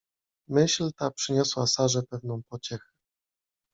Myśl ta przyniosła Sarze pewną pociechę.